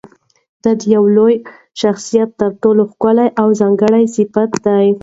دا د یوه لوی شخصیت تر ټولو ښکلی او ځانګړی صفت دی.